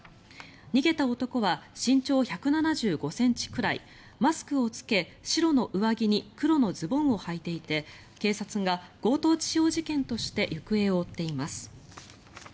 逃げた男は身長１７５ｃｍくらいマスクを着け、白の上着に黒のズボンをはいていて警察が強盗致傷事件として行方を追っています。